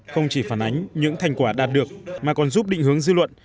không chỉ phản ánh những thành quả đạt được mà còn giúp định hướng dư luận